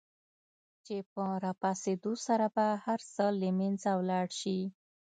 چې په را پاڅېدو سره به هر څه له منځه ولاړ شي.